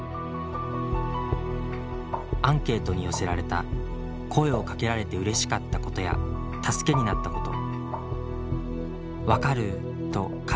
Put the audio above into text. アンケートに寄せられた「声をかけられてうれしかったことや助けになったこと」。